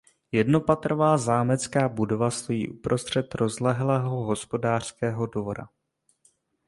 Jednopatrová zámecká budova stojí uprostřed rozlehlého hospodářského dvora.